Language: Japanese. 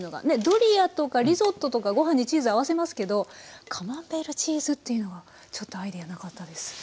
ドリアとかリゾットとかご飯にチーズ合わせますけどカマンベールチーズというのがちょっとアイデアなかったです。